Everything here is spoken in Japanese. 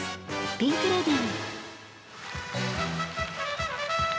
ピンク・レディー。